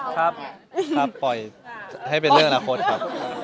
ครับครับปล่อยให้เป็นเรื่องอนาคตครับ